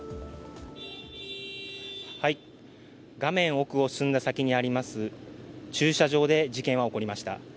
画面奥を進んだ先にあります駐車場で事件は起こりました。